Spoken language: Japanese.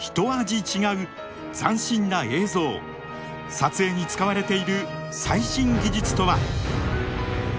撮影に使われている最新技術とは？